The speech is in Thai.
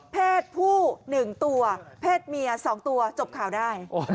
เพศผู้๑ตัวเพศเมีย๒ตัวจบข่าวได้